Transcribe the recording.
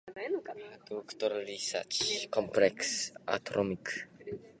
Her doctoral research involved the synthesis of complex aromatic compounds.